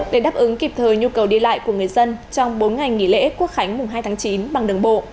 để đáp ứng kịp thời nhu cầu đi lại của người dân trong bốn ngày nghỉ lễ quốc khánh mùng hai tháng chín bằng đường bộ